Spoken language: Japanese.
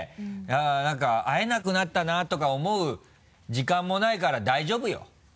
何か会えなくなったなとか思う時間もないから大丈夫よ。